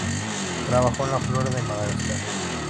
Trabajó en la flora de Madagascar.